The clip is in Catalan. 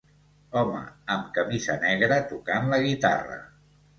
Home amb camisa negra tocant la guitarra.